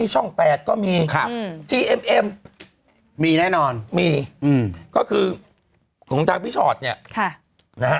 เหมือนจ่ะ